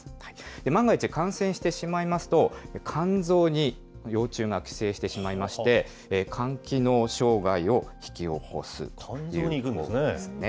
万が一、感染してしまいますと、肝臓に幼虫が寄生してしまいまして、肝機能障害を引き起こすとい肝臓に行くんですね。